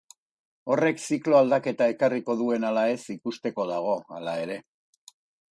Horrek ziklo aldaketa ekarriko duen ala ez ikusteko dago, hala ere.